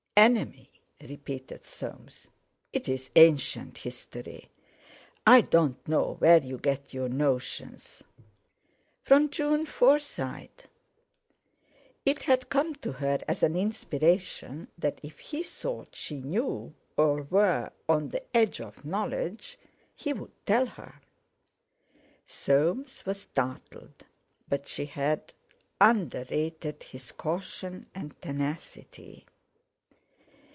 "Enemy!" repeated Soames. "It's ancient history. I don't know where you get your notions." "From June Forsyte." It had come to her as an inspiration that if he thought she knew, or were on the edge of knowledge, he would tell her. Soames was startled, but she had underrated his caution and tenacity.